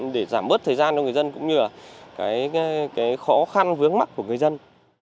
để giảm bớt thời gian cho người dân cũng như là cái khó khăn vướng mắt của người dân